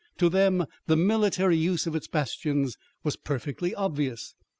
To them the military use of its bastions was perfectly obvious.